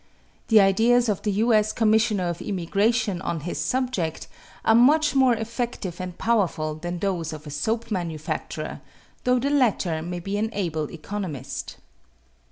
The ideas of the U.S. Commissioner of Immigration on his subject are much more effective and powerful than those of a soap manufacturer, though the latter may be an able economist.